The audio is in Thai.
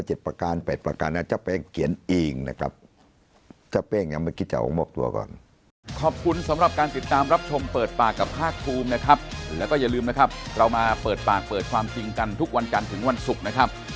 เจ้าแป้งมี๗ประการ๘ประการแล้วเจ้าแป้งเขียนเองนะครับ